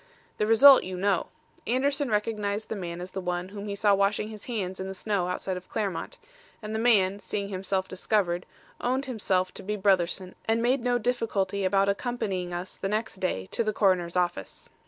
The result you know. Anderson recognised the man as the one whom he saw washing his hands in the snow outside of the Clermont, and the man, seeing himself discovered, owned himself to be Brotherson and made no difficulty about accompanying us the next day to the coroner's office.